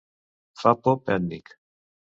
Fa pop ètnic.